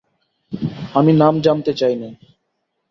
আমি নাম জানতে চাই নে।